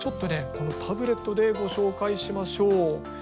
このタブレットでご紹介しましょう。